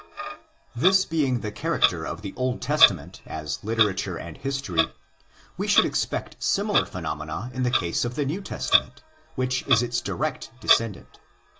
This being the character of the Old Testament as literature and history, we should expect similar phenomena in the case of the New Testament, which is its direct descendant.